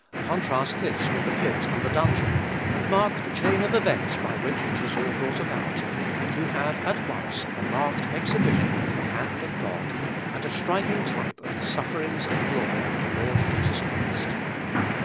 Contrast this with the pit and the dungeon; and mark the chain of events by which it was all brought about, and you have, at once, a marked exhibition of the hand of God, and a striking type of the sufferings and glory of the Lord Jesus Christ.